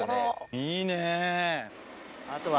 いいね。